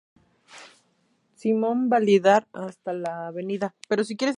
Simón Bolívar hasta la Av.